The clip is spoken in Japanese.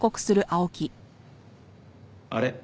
あれ？